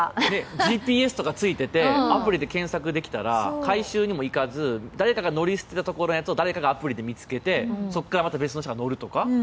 ＧＰＳとかついててアプリで検索できたら回収にも行かず、誰かが乗り捨てたところへ誰かがアプリで見つけてそこからまた別の人が乗るとか？